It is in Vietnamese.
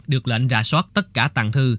được lệnh rà soát tất cả tặng thư